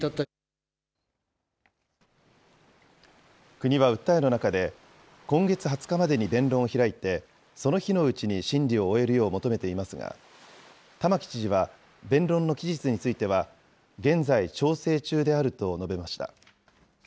国は訴えの中で、今月２０日までに弁論を開いて、その日のうちに審理を終えるよう求めていますが、玉城知事は弁論の期日については現在、調整中であると述べました。